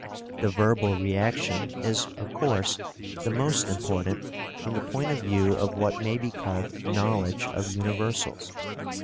The verbal reaction is, of course, the most important from the point of view of what may be called knowledge of universals.